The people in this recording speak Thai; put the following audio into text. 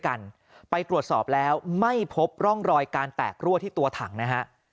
กันไปตรวจสอบแล้วไม่พบร่องรอยการแตกรั่วที่ตัวถังนะฮะ